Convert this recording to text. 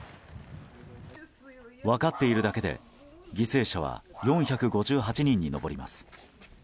分かっているだけで犠牲者は４５８人に上ります。